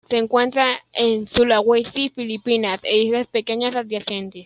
Se encuentra en Sulawesi, Filipinas, e islas pequeñas adyacentes.